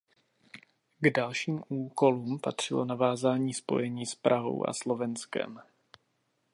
K dalším úkolům patřilo navázání spojení s Prahou a Slovenskem.